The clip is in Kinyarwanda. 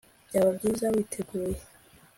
Byaba byiza witeguye